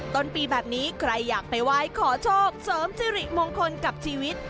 ต้นปีแบบนี้ใครอยากไปไหว้ขอโชคเสริมสิริมงคลกับชีวิต